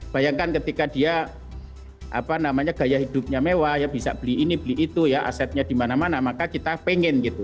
bayangkan ketika dia apa namanya gaya hidupnya mewah ya bisa beli ini beli itu ya asetnya di mana mana maka kita pengen gitu